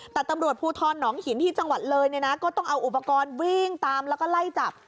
แต่ตำรวจภูทรหนองหินที่จังหวัดเลยเนี่ยนะก็ต้องเอาอุปกรณ์วิ่งตามแล้วก็ไล่จับ